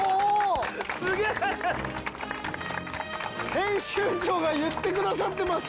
編集長が言ってくださってます。